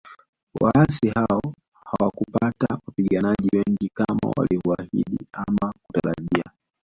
Waasi hao hawakupata wapiganaji wengi kama walivyoahidi ama kutarajia